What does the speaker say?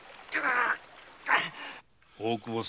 大久保様